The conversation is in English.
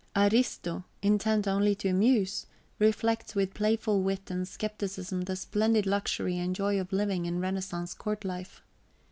Ariosto, intent only to amuse, reflects with playful wit and skepticism the splendid luxury and joy of living in Renaissance court life.